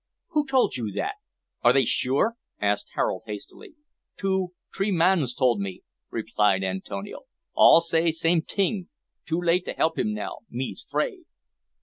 "Who told you that? Are they sure?" asked Harold hastily. "Two, t'ree mans tole me," replied Antonio. "All say same ting. Too late to help him now, me's 'fraid."